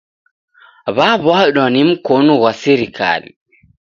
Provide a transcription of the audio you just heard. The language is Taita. W'aw'adwa ni mkonu ghwa sirikali